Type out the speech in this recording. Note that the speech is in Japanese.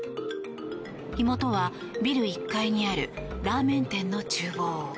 火元はビル１階にあるラーメン店の厨房。